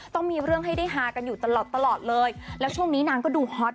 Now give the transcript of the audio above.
ต้องมีเรื่องให้ได้ฮากันอยู่ตลอดตลอดเลยแล้วช่วงนี้นางก็ดูฮอต